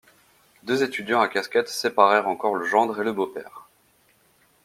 Deux étudiants à casquettes séparèrent encore le gendre et le beau-père.